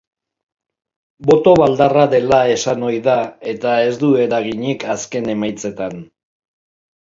Boto baldarra dela esan ohi da, eta ez du eraginik azken emaitzetan.